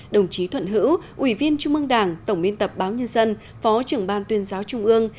đồng chí thuận hữu ủy viên trung mương đảng tổng biên tập báo nhân dân phó trưởng ban tuyên giáo trung ương